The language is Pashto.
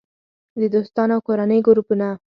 - د دوستانو او کورنۍ ګروپونه